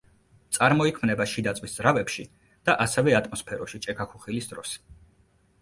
წარმოიქმნება შიდაწვის ძრავებში და ასევე ატმოსფეროში ჭექაქუხილის დროს.